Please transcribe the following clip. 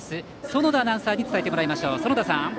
園田アナウンサーに伝えてもらいましょう。